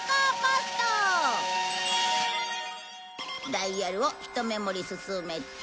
ダイヤルをひと目盛り進めて。